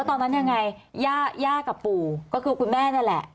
ตอนนั้นยังไงย่ากับปู่ก็คือคุณแม่นี่แหละ